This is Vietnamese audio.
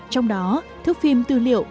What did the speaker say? trong đó thức phim tư liệu